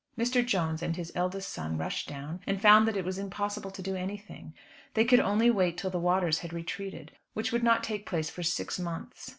Mr. Jones and his eldest son rushed down, and found that it was impossible to do anything. They could only wait till the waters had retreated, which would not take place for six months.